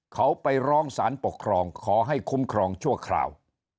เขาไปร้องสารปกครองขอให้คุ้มครองชั่วคราว